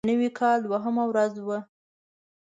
د نوي کال دوهمه ورځ وه.